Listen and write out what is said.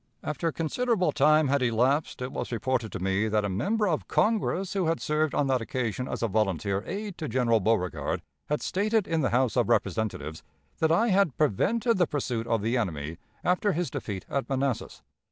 After considerable time had elapsed, it was reported to me that a member of Congress, who had served on that occasion as a volunteer aide to General Beauregard, had stated in the House of Representatives that I had prevented the pursuit of the enemy after his defeat at Manassas.